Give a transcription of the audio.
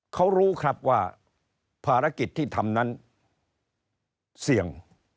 เขารู้ครับว่าภารกิจที่ทำนั้นเสี่ยง